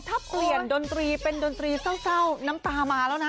ถ้าเปลี่ยนดนตรีเป็นดนตรีเศร้าน้ำตามาแล้วนะ